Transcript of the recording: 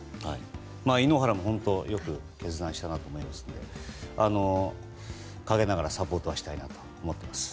井ノ原もよく決断したなと思いますので陰ながらサポートしたいと思っています。